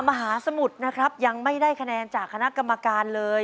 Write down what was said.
มหาสมุทรนะครับยังไม่ได้คะแนนจากคณะกรรมการเลย